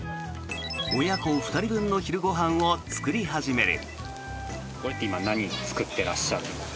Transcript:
親子２人分の昼ご飯を作り始める。